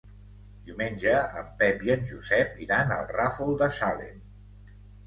Diumenge en Pep i en Josep iran al Ràfol de Salem.